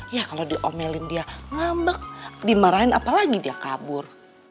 yah kalo diomelin dia ngambek dimarahin apalagi dia kabur